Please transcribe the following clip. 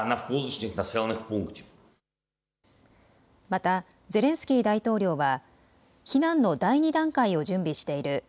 またゼレンスキー大統領は避難の第２段階を準備している。